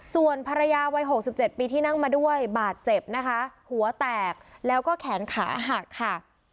ส่วนภรรยาวัย๖๗ปีที่นั่งมาด้วยบาดเจ็บนะคะหัวแตกแล้วก็แขนขาหักค่ะ